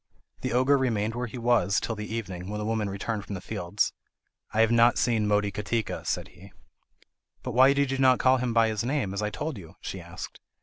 The ogre remained where he was, till the evening, when the woman returned from the fields. "I have not seen Motikatika," said he. "But why did you not call him by his name, as I told you?" she asked.